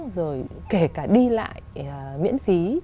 rồi kể cả đi lại miễn phí